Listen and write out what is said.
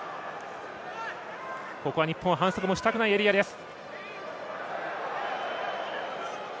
日本反則もしたくないエリアです。